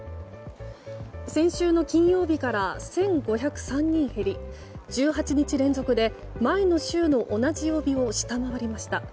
先週の金曜日から１５０３人減り１８日連続で前の週の同じ曜日を下回りました。